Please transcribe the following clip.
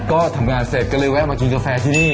ก็ทำงานเสร็จก็เลยแวะมากินกาแฟที่นี่